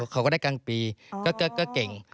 เขาก็ได้กลางปีก็เก่ง